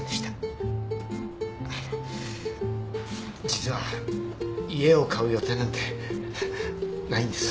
実は家を買う予定なんてないんです。